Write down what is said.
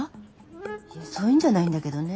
いやそういうんじゃないんだけどね。